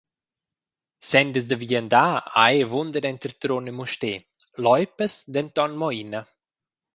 Sendas da viandar ha ei avunda denter Trun e Mustér, loipas denton mo ina.